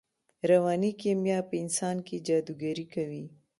رواني کیمیا په انسان کې جادوګري کوي